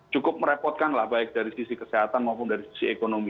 cukup merepotkan lah baik dari sisi kesehatan maupun dari sisi ekonomi